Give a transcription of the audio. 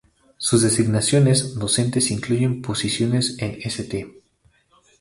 Sus designaciones docentes incluyen posiciones en St.